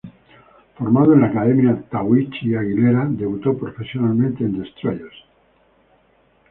Formado en la Academia Tahuichi Aguilera, debutó profesionalmente en Destroyers.